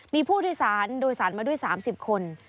มีผู้โดยสารโดยสารมาด้วย๓๐คน